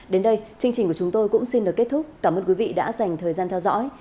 đến đây chương trình của chúng tôi cũng xin được kết thúc cảm ơn quý vị đã dành thời gian theo dõi